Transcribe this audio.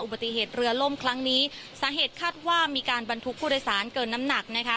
ปฏิเหตุเรือล่มครั้งนี้สาเหตุคาดว่ามีการบรรทุกผู้โดยสารเกินน้ำหนักนะคะ